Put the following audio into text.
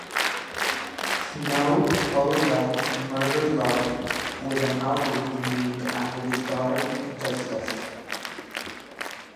Snow followed up "Murder Love" with an album named after his daughter, "Justuss".